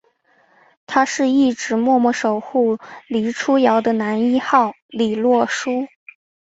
他是一直默默守护黎初遥的男一号李洛书！